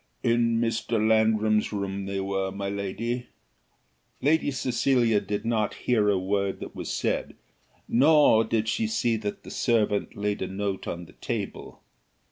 "In Mr. Landrum's room they were, my lady." Lady Cecilia did not hear a word that was said, nor did she see that the servant laid a note on the table.